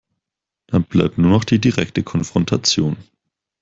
Dann bleibt nur noch die direkte Konfrontation.